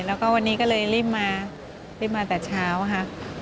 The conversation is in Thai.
แล้วก็วันนี้ก็เลยรีบมารีบมาแต่เช้าค่ะ